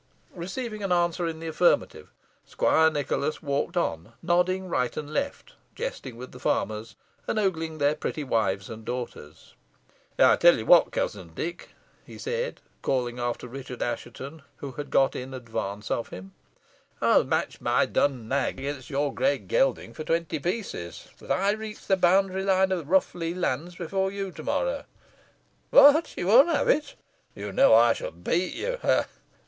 Receiving an answer in the affirmative, squire Nicholas walked on, nodding right and left, jesting with the farmers, and ogling their pretty wives and daughters. "I tell you what, cousin Dick," he said, calling after Richard Assheton, who had got in advance of him, "I'll match my dun nag against your grey gelding for twenty pieces, that I reach the boundary line of the Rough Lee lands before you to morrow. What, you won't have it? You know I shall beat you ha! ha!